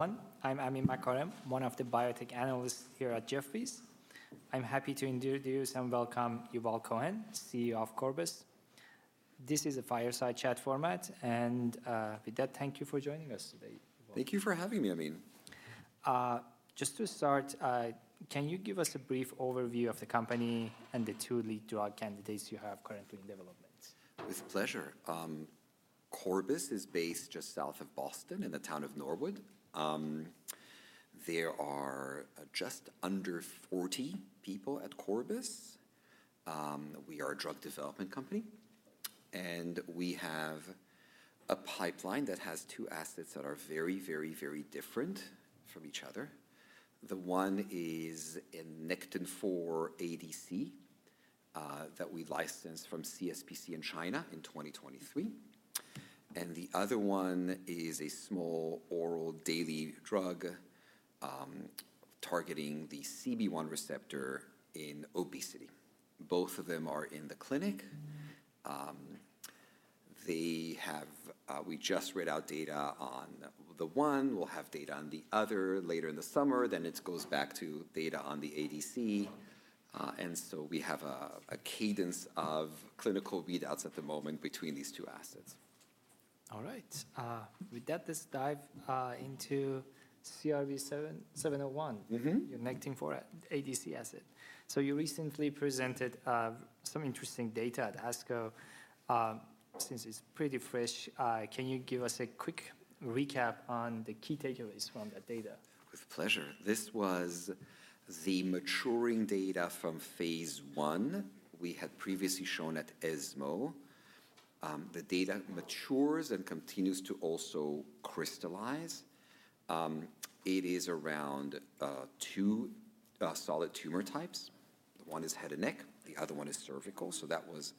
One, I'm Amin Makarem, one of the biotech analysts here at Jefferies. I'm happy to introduce and welcome Yuval Cohen, CEO of Corbus. This is a fireside chat format, and with that, thank you for joining us today, Yuval. Thank you for having me, Amin. Just to start, can you give us a brief overview of the company and the two lead drug candidates you have currently in development? With pleasure. Corbus is based just south of Boston in the town of Norwood. There are just under 40 people at Corbus. We are a drug development company, and we have a pipeline that has two assets that are very different from each other. The one is a Nectin-4 ADC that we licensed from CSPC in China in 2023, and the other one is a small oral daily drug targeting the CB1 receptor in obesity. Both of them are in the clinic. We just read out data on the one. We'll have data on the other later in the summer, then it goes back to data on the ADC. We have a cadence of clinical readouts at the moment between these two assets. All right. With that, let's dive into CRB-701. Your Nectin-4 ADC asset. You recently presented some interesting data at ASCO. Since it's pretty fresh, can you give us a quick recap on the key takeaways from that data? With pleasure. This was the maturing data from phase I we had previously shown at ESMO. The data matures and continues to also crystallize. It is around two solid tumor types. The one is head and neck, the other one is cervical, that was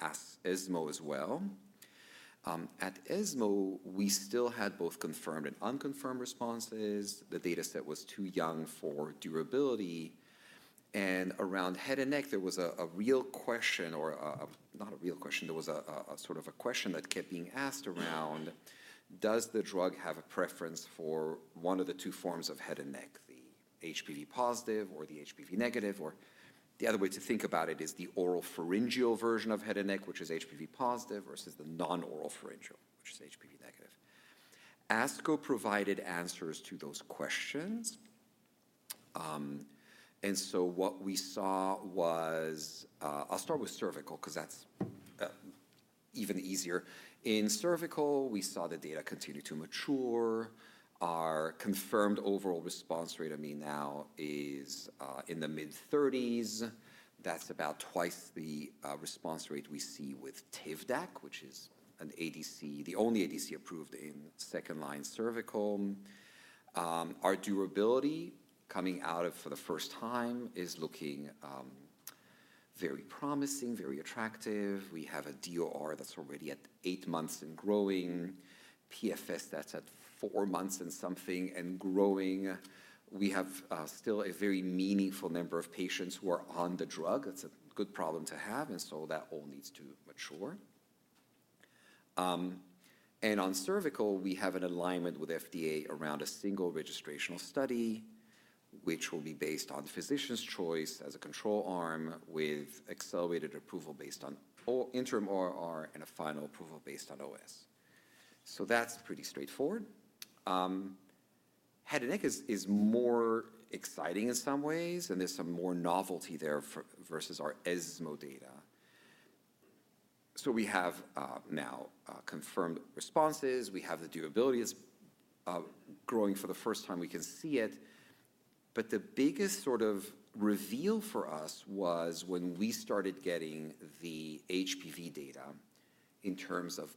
at ESMO as well. At ESMO, we still had both confirmed and unconfirmed responses. The data set was too young for durability, around head and neck, there was a real question, or not a real question, there was a question that kept being asked around, does the drug have a preference for one of the two forms of head and neck, the HPV positive or the HPV negative? The other way to think about it is the oropharyngeal version of head and neck, which is HPV positive, versus the non-oropharyngeal, which is HPV negative. ASCO provided answers to those questions. What we saw was. I'll start with cervical because that's even easier. In cervical, we saw the data continue to mature. Our confirmed overall response rate, Amin, now is in the mid-30s. That's about twice the response rate we see with Tivdak, which is the only ADC approved in second-line cervical. Our durability coming out of for the first time is looking very promising, very attractive. We have a DOR that's already at eight months and growing, PFS that's at four months and something and growing. We have still a very meaningful number of patients who are on the drug. That's a good problem to have. That all needs to mature. On cervical, we have an alignment with FDA around a single registrational study, which will be based on physician's choice as a control arm with accelerated approval based on interim RR and a final approval based on OS. That's pretty straightforward. Head and neck is more exciting in some ways, there's some more novelty there versus our ESMO data. We have now confirmed responses. We have the durability is growing for the first time we can see it. The biggest reveal for us was when we started getting the HPV data in terms of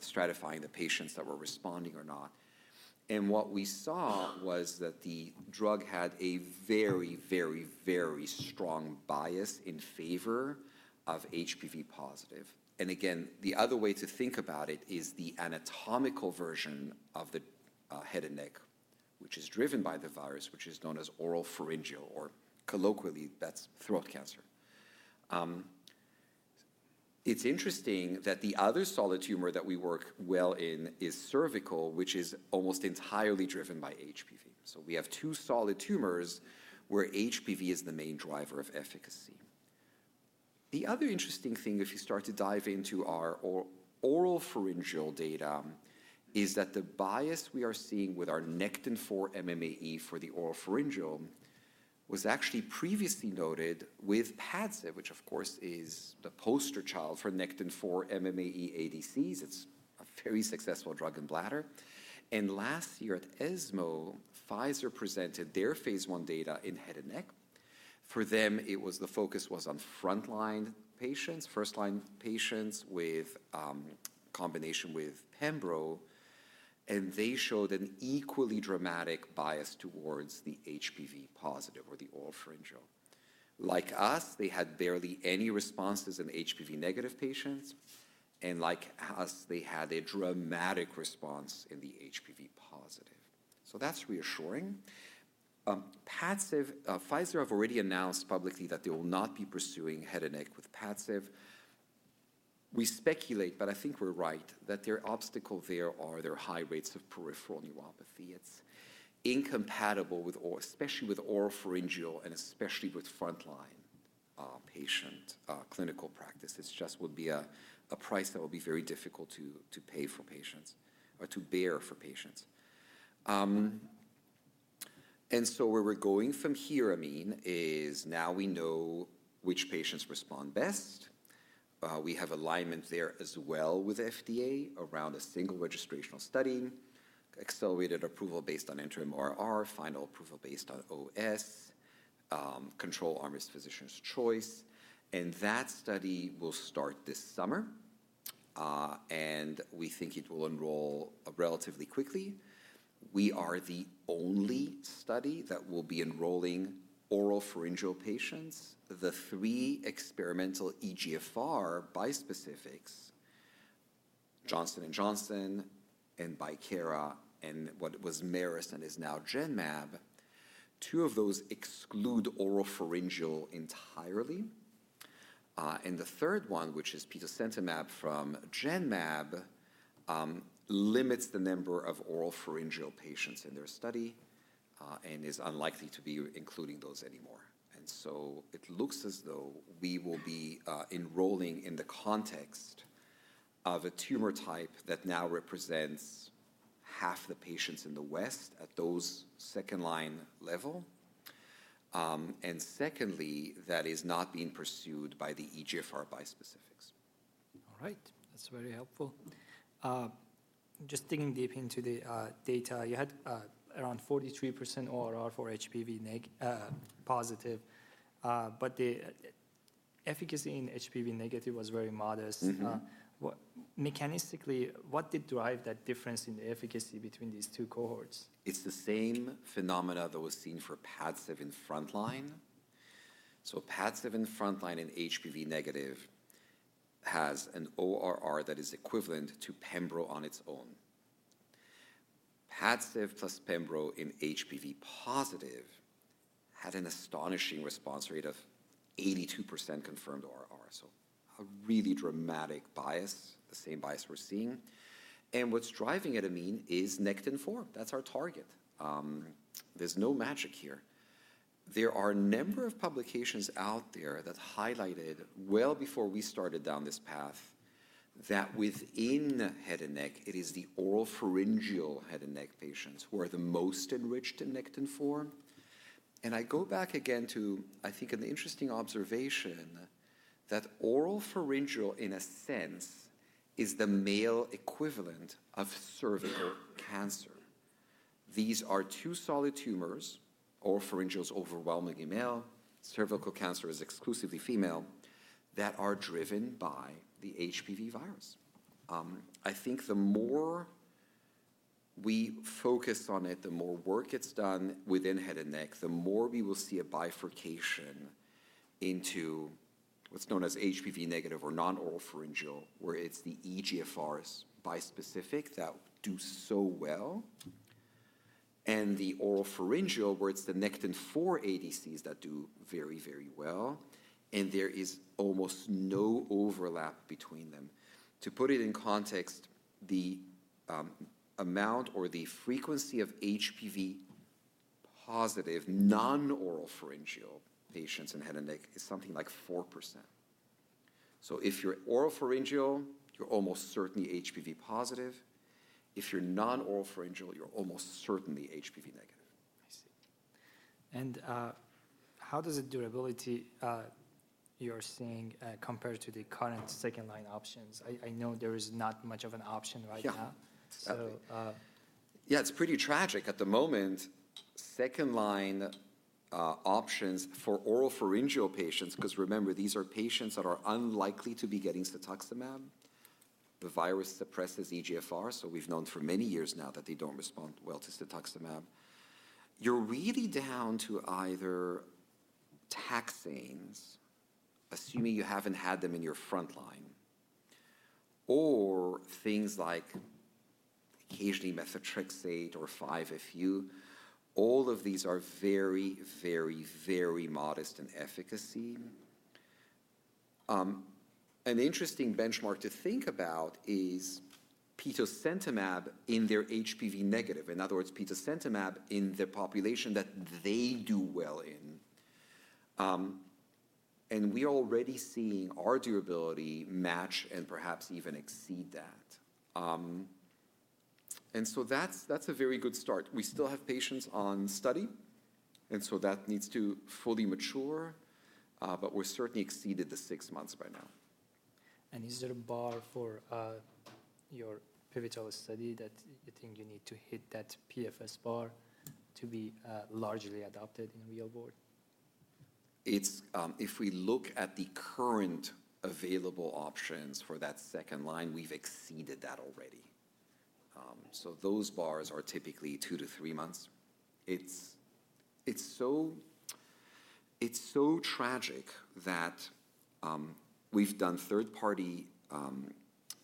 stratifying the patients that were responding or not. What we saw was that the drug had a very strong bias in favor of HPV positive. The other way to think about it is the anatomical version of the head and neck, which is driven by the virus, which is known as oropharyngeal, or colloquially, that's throat cancer. It's interesting that the other solid tumor that we work well in is cervical, which is almost entirely driven by HPV. We have two solid tumors where HPV is the main driver of efficacy. The other interesting thing, if you start to dive into our oropharyngeal data, is that the bias we are seeing with our Nectin-4 MMAE for the oropharyngeal was actually previously noted with PADCEV, which of course is the poster child for Nectin-4 MMAE ADCs. It's a very successful drug in bladder. Last year at ESMO, Pfizer presented their phase I data in head and neck. For them, the focus was on frontline patients, first-line patients with combination with pembrolizumab, and they showed an equally dramatic bias towards the HPV positive or the oropharyngeal. Like us, they had barely any responses in HPV negative patients, and like us, they had a dramatic response in the HPV positive. That's reassuring. Pfizer have already announced publicly that they will not be pursuing head and neck with PADCEV. We speculate, but I think we're right, that their obstacle there are their high rates of peripheral neuropathy. It's incompatible, especially with oropharyngeal and especially with frontline patient clinical practice. It just would be a price that will be very difficult to pay for patients or to bear for patients. Where we're going from here, Amin, is now we know which patients respond best. We have alignment there as well with FDA around a single registrational study, accelerated approval based on interim RR, final approval based on OS, control arm is physician's choice. That study will start this summer, and we think it will enroll relatively quickly. We are the only study that will be enrolling oropharyngeal patients. The three experimental EGFR bispecifics, Johnson & Johnson, and BioAtla, and what was Merus and is now Genmab, two of those exclude oropharyngeal entirely. The third one, which is petosemtamab from Genmab, limits the number of oropharyngeal patients in their study and is unlikely to be including those anymore. It looks as though we will be enrolling in the context of a tumor type that now represents half the patients in the West at those second-line level. Secondly, that is not being pursued by the EGFR bispecifics. All right. That's very helpful. Just digging deep into the data, you had around 43% ORR for HPV positive. The efficacy in HPV negative was very modest. Mechanistically, what did drive that difference in the efficacy between these two cohorts? It's the same phenomena that was seen for PADCEV frontline. PADCEV frontline in HPV negative has an ORR that is equivalent to pembrolizumab on its own. PADCEV plus pembrolizumab in HPV positive had an astonishing response rate of 82% confirmed ORR. A really dramatic bias, the same bias we're seeing. What's driving it, Amin, is Nectin-4. That's our target. There's no magic here. There are a number of publications out there that highlighted, well before we started down this path, that within head and neck, it is the oropharyngeal head and neck patients who are the most enriched in Nectin-4. I go back again to, I think, an interesting observation that oropharyngeal, in a sense, is the male equivalent of cervical cancer. These are two solid tumors, oropharyngeal is overwhelming in male, cervical cancer is exclusively female, that are driven by the HPV virus. I think the more we focus on it, the more work gets done within head and neck, the more we will see a bifurcation into what's known as HPV-negative or non-oropharyngeal, where it's the EGFRs bispecifics that do so well, and the oropharyngeal, where it's the Nectin-4 ADCs that do very well, and there is almost no overlap between them. To put it in context, the amount or the frequency of HPV-positive non-oropharyngeal patients in head and neck is something like 4%. If you're oropharyngeal, you're almost certainly HPV-positive. If you're non-oropharyngeal, you're almost certainly HPV-negative. I see. How does the durability you're seeing compare to the current second-line options? I know there is not much of an option right now. Yeah. So- Yeah, it's pretty tragic at the moment. Second-line options for oropharyngeal patients, because remember, these are patients that are unlikely to be getting cetuximab. The virus suppresses EGFR, we've known for many years now that they don't respond well to cetuximab. You're really down to either taxanes, assuming you haven't had them in your front-line, or things like occasionally methotrexate or 5-FU. All of these are very modest in efficacy. An interesting benchmark to think about is petosemtamab in their HPV negative, in other words, petosemtamab in the population that they do well in. We're already seeing our durability match and perhaps even exceed that. That's a very good start. We still have patients on study, that needs to fully mature. We've certainly exceeded the six months by now. Is there a bar for your pivotal study that you think you need to hit that PFS bar to be largely adopted in real world? If we look at the current available options for that second-line, we've exceeded that already. Those bars are typically 2-3 months. It's so tragic that we've done third-party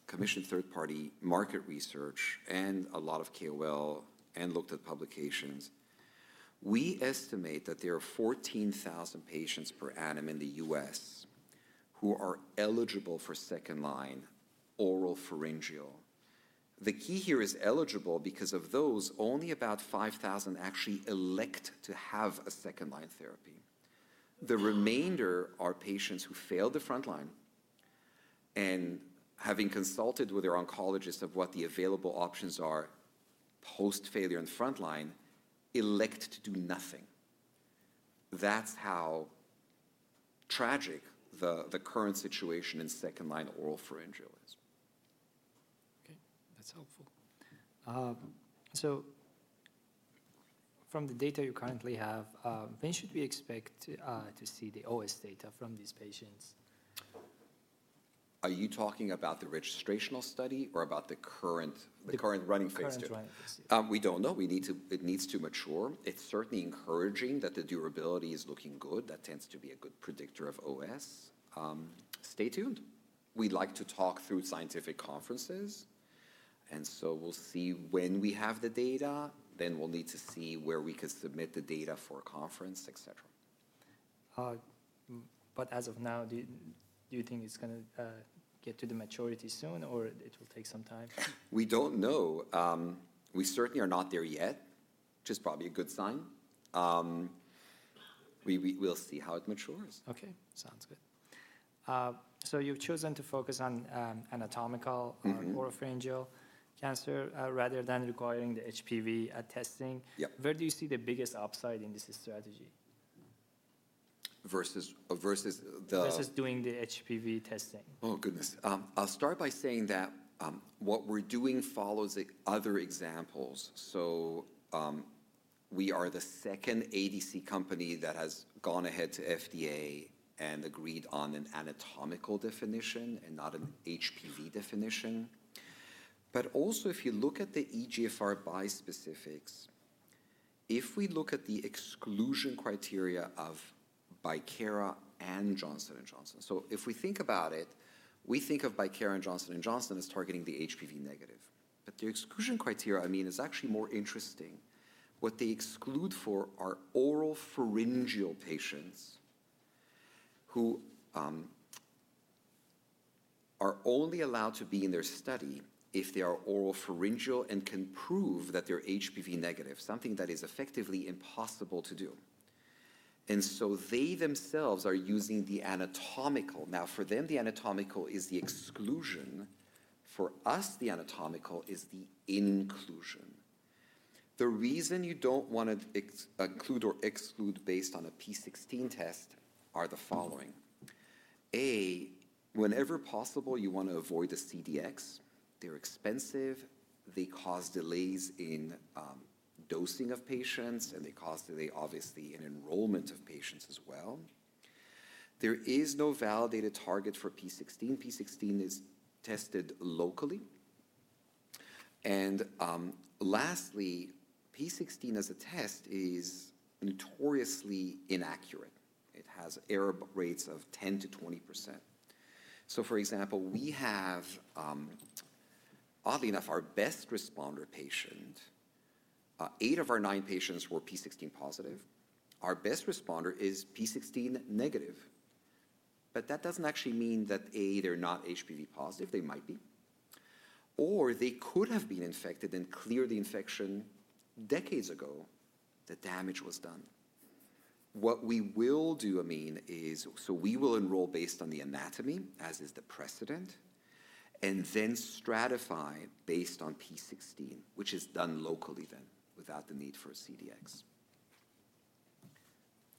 commissioned third-party market research and a lot of KOL and looked at publications. We estimate that there are 14,000 patients per annum in the U.S. who are eligible for second-line oropharyngeal. The key here is eligible, because of those, only about 5,000 actually elect to have a second-line therapy. The remainder are patients who failed the front-line, and having consulted with their oncologist of what the available options are post-failure in the front-line, elect to do nothing. That's how tragic the current situation in second-line oropharyngeal is. Okay. That's helpful. From the data you currently have, when should we expect to see the OS data from these patients? Are you talking about the registrational study or about the current running phase II? The current running phase II. We don't know. It needs to mature. It's certainly encouraging that the durability is looking good. That tends to be a good predictor of OS. Stay tuned. We'd like to talk through scientific conferences, and so we'll see when we have the data, then we'll need to see where we could submit the data for a conference, et cetera. As of now, do you think it's going to get to the maturity soon, or it will take some time? We don't know. We certainly are not there yet, which is probably a good sign. We'll see how it matures. Okay. Sounds good. You've chosen to focus on. Oropharyngeal cancer, rather than requiring the HPV testing. Yep. Where do you see the biggest upside in this strategy? Versus the? Versus doing the HPV testing. Oh, goodness. I'll start by saying that what we're doing follows other examples. We are the second ADC company that has gone ahead to FDA and agreed on an anatomical definition and not an HPV definition. Also, if you look at the EGFR bispecifics, if we look at the exclusion criteria of BioAtla and Johnson & Johnson. If we think about it, we think of BioAtla and Johnson & Johnson as targeting the HPV negative. The exclusion criteria, Amin, is actually more interesting. What they exclude for are oropharyngeal patients who are only allowed to be in their study if they are oropharyngeal and can prove that they're HPV negative, something that is effectively impossible to do. They themselves are using the anatomical. Now, for them, the anatomical is the exclusion. For us, the anatomical is the inclusion. The reason you don't want to include or exclude based on a p16 test are the following. A. Whenever possible, you want to avoid a CDx. They're expensive. They cause delays in dosing of patients, and they cause, obviously, an enrollment of patients as well. There is no validated target for p16. p16 is tested locally. Lastly, p16 as a test is notoriously inaccurate. It has error rates of 10% to 20%. For example, oddly enough, eight of our nine patients were p16 positive. Our best responder is p16 negative. That doesn't actually mean that, A. They're not HPV positive. They might be. They could have been infected and cleared the infection decades ago. The damage was done. What we will do, Amin, is we will enroll based on the anatomy, as is the precedent, and then stratify based on p16, which is done locally then, without the need for a CDx.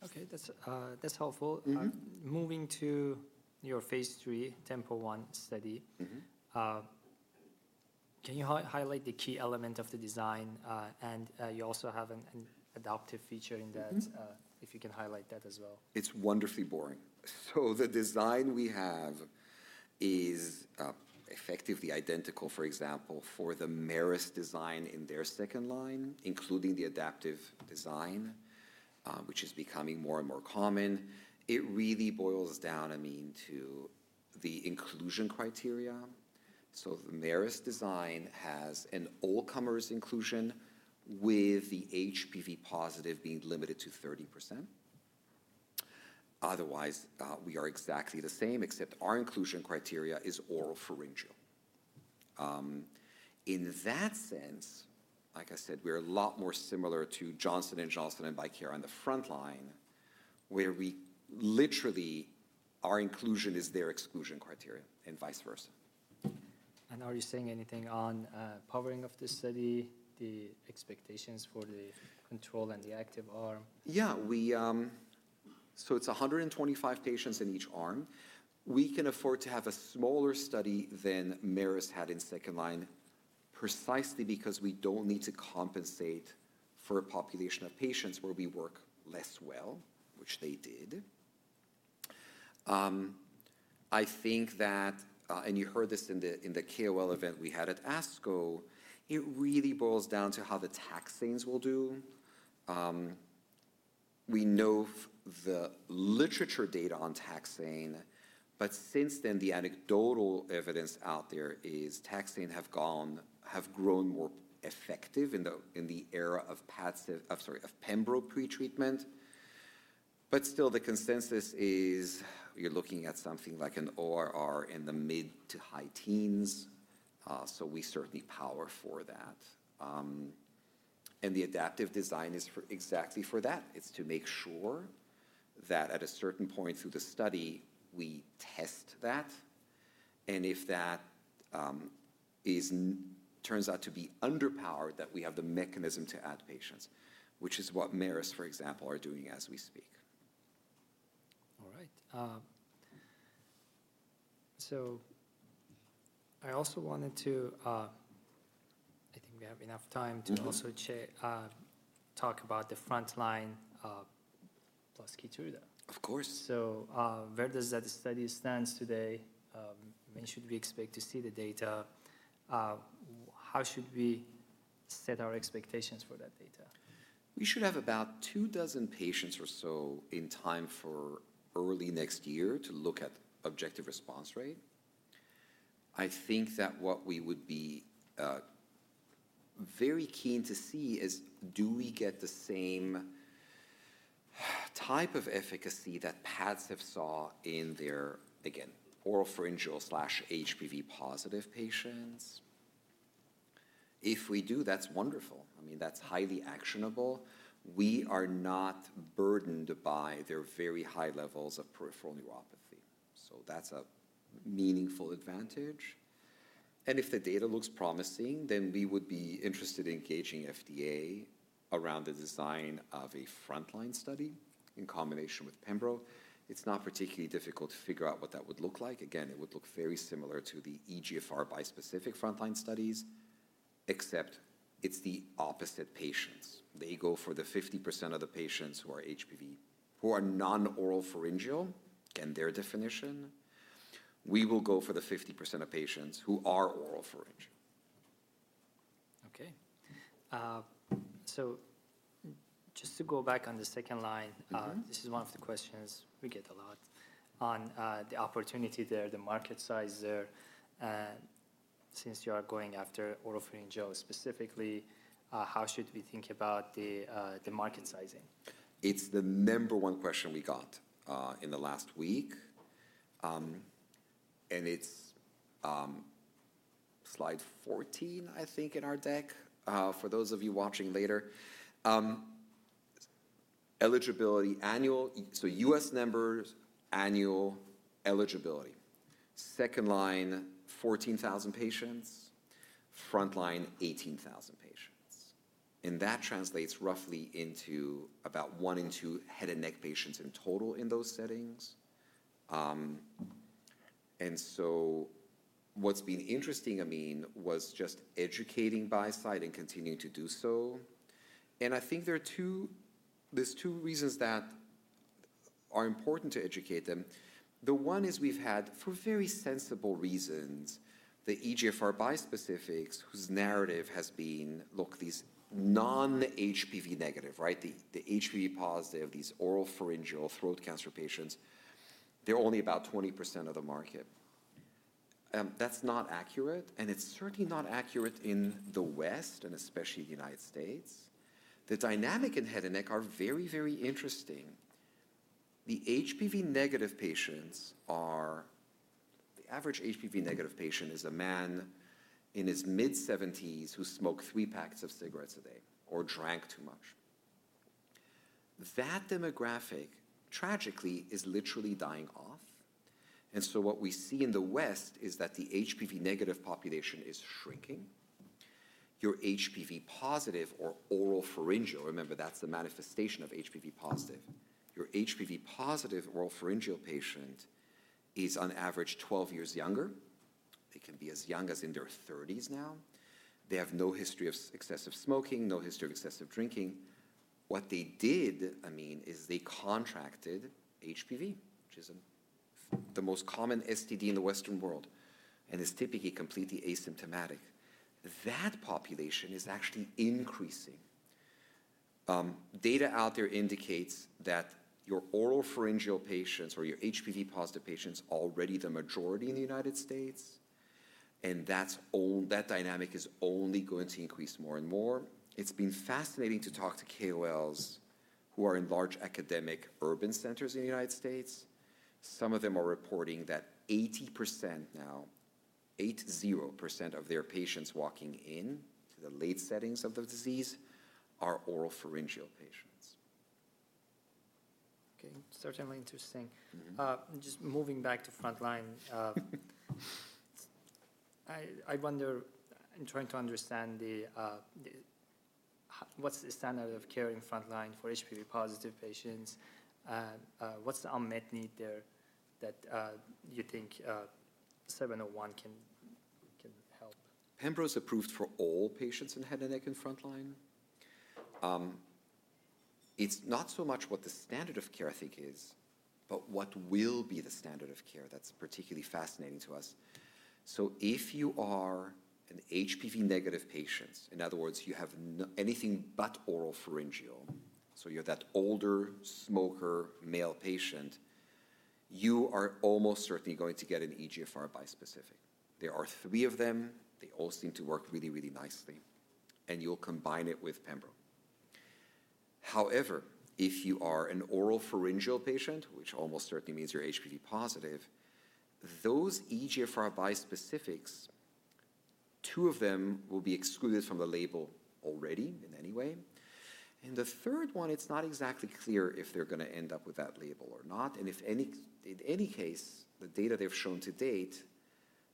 Okay. That's helpful. Moving to your phase III TEMPO-1 study. Can you highlight the key element of the design? You also have an adaptive feature in that. If you can highlight that as well. It's wonderfully boring. The design we have is effectively identical, for example, for the Merus design in their second line, including the adaptive design, which is becoming more and more common. It really boils down, Amin, to the inclusion criteria. The Merus design has an all-comers inclusion with the HPV positive being limited to 30%. Otherwise, we are exactly the same, except our inclusion criteria is oropharyngeal. In that sense, like I said, we're a lot more similar to Johnson & Johnson and BioAtla on the front line, where literally our inclusion is their exclusion criteria and vice versa. Are you saying anything on powering of the study, the expectations for the control and the active arm? Yeah. It's 125 patients in each arm. We can afford to have a smaller study than Merus had in second line, precisely because we don't need to compensate for a population of patients where we work less well, which they did. I think that, and you heard this in the KOL event we had at ASCO, it really boils down to how the taxanes will do. We know the literature data on taxane, but since then, the anecdotal evidence out there is taxane have grown more effective in the era of pembro pretreatment. Still, the consensus is you're looking at something like an ORR in the mid to high teens. We certainly power for that. The adaptive design is exactly for that. It's to make sure that at a certain point through the study, we test that, and if that turns out to be underpowered, that we have the mechanism to add patients, which is what Merus, for example, are doing as we speak. All right. I also think we have enough time to also talk about the frontline plus KEYTRUDA. Of course. Where does that study stand today? When should we expect to see the data? How should we set our expectations for that data? We should have about two dozen patients or so in time for early next year to look at objective response rate. I think that what we would be very keen to see is, do we get the same type of efficacy that PADCEV saw in their, again, oropharyngeal/HPV positive patients? If we do, that's wonderful. That's highly actionable. We are not burdened by their very high levels of peripheral neuropathy, so that's a meaningful advantage. If the data looks promising, then we would be interested in engaging FDA around the design of a frontline study in combination with pembro. It's not particularly difficult to figure out what that would look like. Again, it would look very similar to the EGFR bispecifics frontline studies, except it's the opposite patients. They go for the 50% of the patients who are HPV who are non-oropharyngeal in their definition. We will go for the 50% of patients who are oropharyngeal. Okay. Just to go back on the second line. This is one of the questions we get a lot on the opportunity there, the market size there. Since you are going after oropharyngeal specifically, how should we think about the market sizing? It's the number one question we got in the last week, and it's slide 14, I think, in our deck, for those of you watching later. Eligibility annual, so U.S. members annual eligibility. Second-line, 14,000 patients. Front-line, 18,000 patients. That translates roughly into about one in two head and neck patients in total in those settings. What's been interesting was just educating buy-side and continuing to do so, and I think there's two reasons that are important to educate them. The one is we've had, for very sensible reasons, the EGFR bispecifics, whose narrative has been, look, these non-HPV-negative. The HPV-positive, these oropharyngeal throat cancer patients, they're only about 20% of the market. That's not accurate, and it's certainly not accurate in the West and especially the United States. The dynamic in head and neck are very interesting. The average HPV negative patient is a man in his mid-70s who smoked three packs of cigarettes a day or drank too much. That demographic, tragically, is literally dying off, and so what we see in the West is that the HPV negative population is shrinking. Your HPV positive or oropharyngeal, remember, that's the manifestation of HPV positive. Your HPV positive oropharyngeal patient is, on average, 12 years younger. They can be as young as in their 30s now. They have no history of excessive smoking, no history of excessive drinking. What they did is they contracted HPV, which is the most common STD in the Western world and is typically completely asymptomatic. That population is actually increasing. Data out there indicates that your oropharyngeal patients or your HPV positive patients are already the majority in the U.S., and that dynamic is only going to increase more and more. It's been fascinating to talk to KOLs who are in large academic urban centers in the United States. Some of them are reporting that 80% of their patients walking in to the late settings of the disease are oropharyngeal patients. Okay. Certainly interesting. Just moving back to frontline. I wonder in trying to understand what's the standard of care in frontline for HPV positive patients. What's the unmet need there that you think 701 can help? Pembrolizumab is approved for all patients in head and neck and frontline. It's not so much what the standard of care, I think is, but what will be the standard of care that's particularly fascinating to us. If you are an HPV-negative patient, in other words, you have anything but oropharyngeal, so you're that older smoker male patient, you are almost certainly going to get an EGFR bispecifics. There are three of them. They all seem to work really nicely, and you'll combine it with pembro. If you are an oropharyngeal patient, which almost certainly means you're HPV positive, those EGFR bispecifics, two of them will be excluded from the label already in any way. The third one, it's not exactly clear if they're going to end up with that label or not. If in any case, the data they've shown to date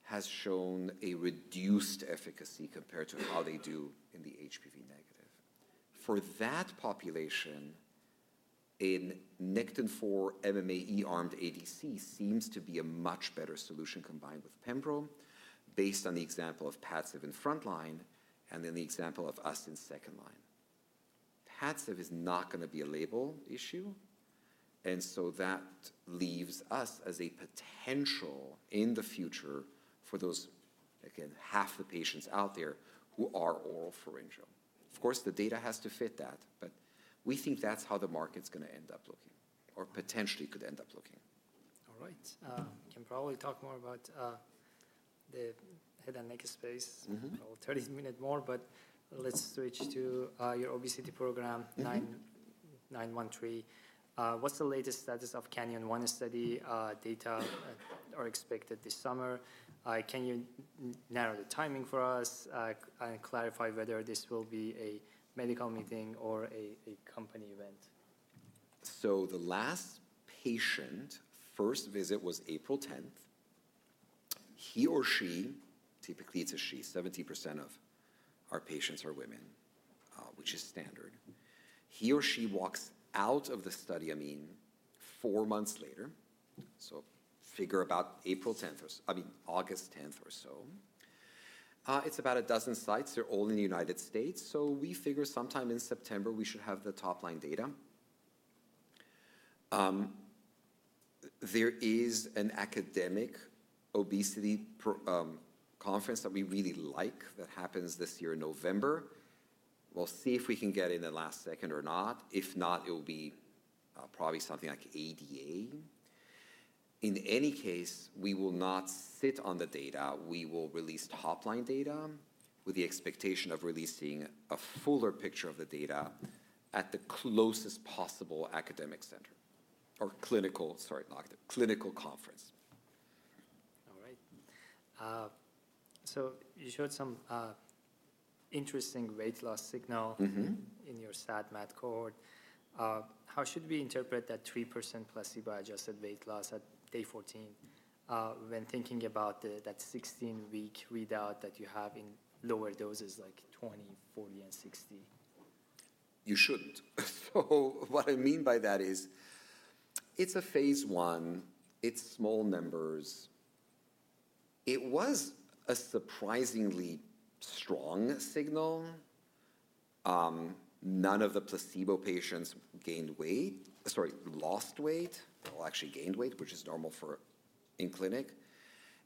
has shown a reduced efficacy compared to how they do in the HPV-negative. For that population, a Nectin-4 MMAE-armed ADC seems to be a much better solution combined with pembro, based on the example of PADCEV in front-line and then the example of us in second-line. PADCEV is not going to be a label issue, and so that leaves us as a potential in the future for those, again, half the patients out there who are oropharyngeal. Of course, the data has to fit that, but we think that's how the market's going to end up looking or potentially could end up looking. All right. Can probably talk more about the head and neck space. Or 30 minutes more. Let's switch to your obesity program, 913. What's the latest status of CANYON-1 study? Data are expected this summer. Can you narrow the timing for us, and clarify whether this will be a medical meeting or a company event? The last patient first visit was April 10th. He or she, typically it's a she, 70% of our patients are women, which is standard. He or she walks out of the study, Amin, four months later, so figure about August 10th or so. It's about a dozen sites. They're all in the U.S., so we figure sometime in September we should have the top-line data. There is an academic obesity conference that we really like that happens this year in November. We'll see if we can get in at last second or not. If not, it'll be probably something like ADA. In any case, we will not sit on the data. We will release top-line data with the expectation of releasing a fuller picture of the data at the closest possible academic center or clinical, sorry, not academic, clinical conference. All right. You showed some interesting weight loss signal. In your SAD/MAD cohort, how should we interpret that 3% placebo-adjusted weight loss at day 14 when thinking about that 16-week readout that you have in lower doses like 20, 40, and 60? You shouldn't. What I mean by that is it's a phase I, it's small numbers. It was a surprisingly strong signal. None of the placebo patients lost weight. Well, actually gained weight, which is normal in clinic.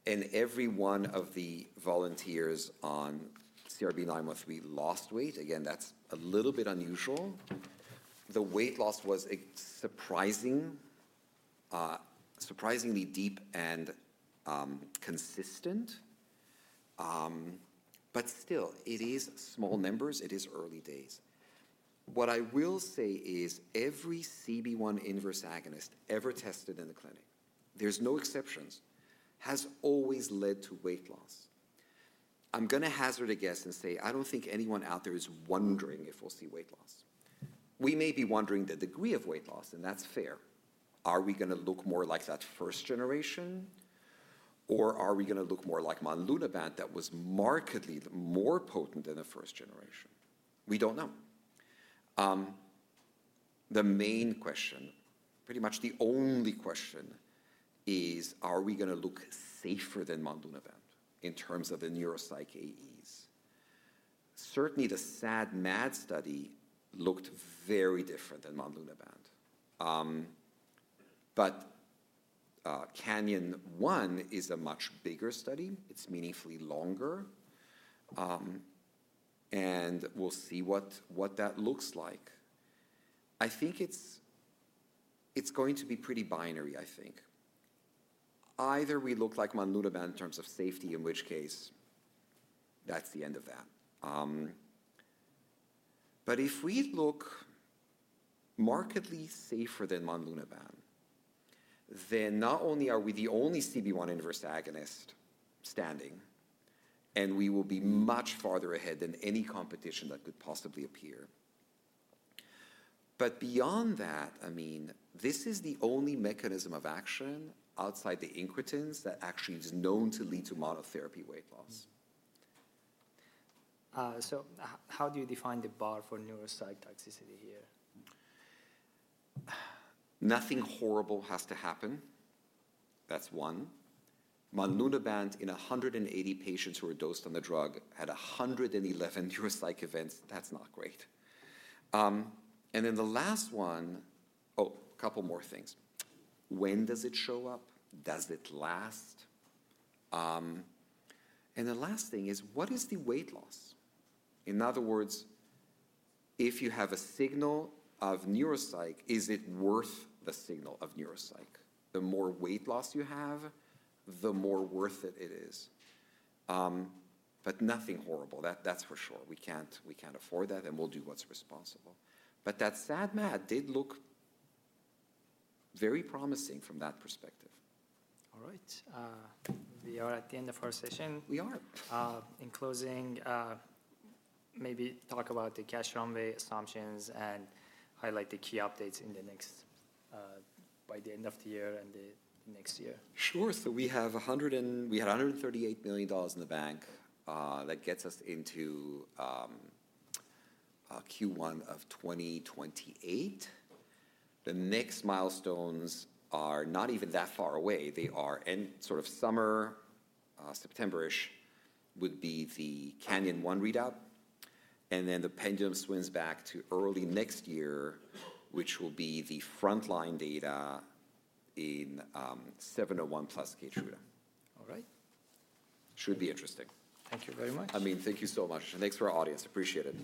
Every one of the volunteers on CRB-913 lost weight. Again, that's a little bit unusual. The weight loss was surprisingly deep and consistent. Still, it is small numbers. It is early days. What I will say is every CB1 inverse agonist ever tested in the clinic, there's no exceptions, has always led to weight loss. I'm going to hazard a guess and say I don't think anyone out there is wondering if we'll see weight loss. We may be wondering the degree of weight loss, and that's fair. Are we going to look more like that first generation, or are we going to look more like monlunabant that was markedly more potent than the first generation? We don't know. The main question, pretty much the only question is, are we going to look safer than monlunabant in terms of the neuropsychiatric AEs? Certainly, the SAD/MAD study looked very different than monlunabant. CANYON-1 is a much bigger study. It's meaningfully longer. We'll see what that looks like. It's going to be pretty binary, I think. Either we look like monlunabant in terms of safety, in which case, that's the end of that. If we look markedly safer than monlunabant, then not only are we the only CB1 inverse agonist standing, and we will be much farther ahead than any competition that could possibly appear. Beyond that, Amin, this is the only mechanism of action outside the incretins that actually is known to lead to monotherapy weight loss. How do you define the bar for neuropsych toxicity here? Nothing horrible has to happen. That's one. monlunabant in 180 patients who were dosed on the drug had 111 neuropsych events. That's not great. The last one, oh, couple more things. When does it show up? Does it last? The last thing is what is the weight loss? In other words, if you have a signal of neuropsych, is it worth the signal of neuropsych? The more weight loss you have, the more worth it is. Nothing horrible, that's for sure. We can't afford that, and we'll do what's responsible. That SAD/MAD did look very promising from that perspective. All right. We are at the end of our session. We are. In closing, maybe talk about the cash runway assumptions and highlight the key updates by the end of the year and the next year. Sure. We had $138 million in the bank. That gets us into Q1 of 2028. The next milestones are not even that far away. They are end summer, September-ish would be the CANYON-1 readout, the pendulum swings back to early next year, which will be the frontline data in 701 plus KEYTRUDA. All right. Should be interesting. Thank you very much. Amin, thank you so much. Thanks for our audience. Appreciate it.